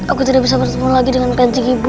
aku bisa bersemuang lagi dengan kancing ibu